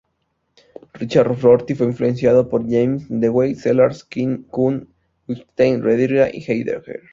Richard Rorty fue influenciado por James, Dewey, Sellars, Quine, Kuhn, Wittgenstein, Derrida y Heidegger.